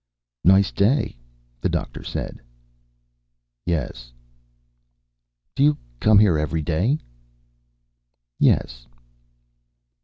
"Nice day," the Doctor said. "Yes." "Do you come here every day?" "Yes."